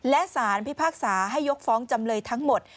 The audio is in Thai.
และสารพิพากษาให้ยกฟ้องจำเลยทั้งหมด